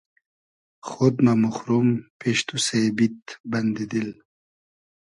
خۉد مۂ موخروم پیش تو سېبید بئندی دیل